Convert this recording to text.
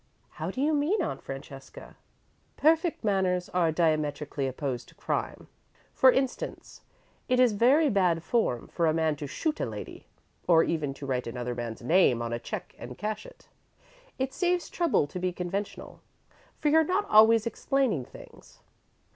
"How do you mean, Aunt Francesca?" "Perfect manners are diametrically opposed to crime. For instance, it is very bad form for a man to shoot a lady, or even to write another man's name on a check and cash it. It saves trouble to be conventional, for you're not always explaining things.